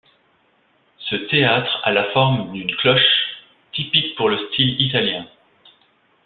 Ce théâtre a la forme d'une cloche, typique pour le style italien.